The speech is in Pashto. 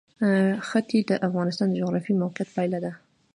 ښتې د افغانستان د جغرافیایي موقیعت پایله ده.